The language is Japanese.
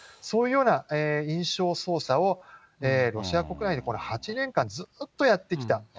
そういうような印象操作をロシア国内で８年間、ずーっとやってきた。